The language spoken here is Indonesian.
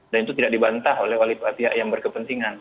dan itu tidak dibantah oleh wali wali yang berkepentingan